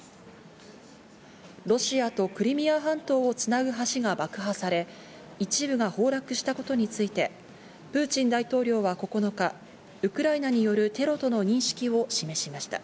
ロシアとクリミア半島つなぐ橋が爆破され、一部が崩落したことについて、プーチン大統領は９日、ウクライナによるテロとの認識を示しました。